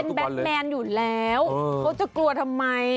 แบทแมนอยู่แล้วเขาจะกลัวทำไม